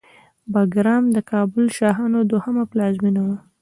بګرام د کابل شاهانو دوهمه پلازمېنه وه